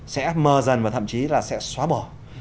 sẽ mờ dần và thậm chí là sẽ xóa bỏ